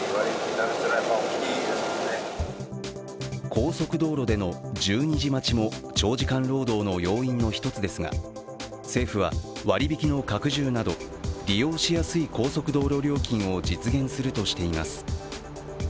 高速道路での１２時待ちも長時間労働の要因の一つですが政府は割引の拡充など利用しやすい高速道路料金を実現するとしています。